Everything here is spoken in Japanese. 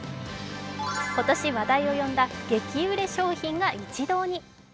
今年話題を呼んだ激売れ商品が一堂に。